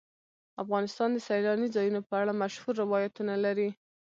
افغانستان د سیلاني ځایونو په اړه مشهور روایتونه لري.